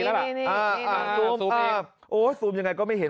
นี่นี่นี่นี่อ่าอ่าอ่าซูมอ่าโอ้ยซูมยังไงก็ไม่เห็น